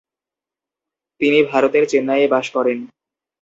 তিনি ভারতের চেন্নাইয়ে বাস করেন।